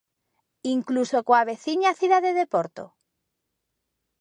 Incluso coa veciña cidade de Porto?